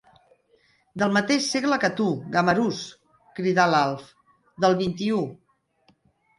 Del mateix segle que tu, gamarús! —cridà l'Alf— Del vint-i-ú.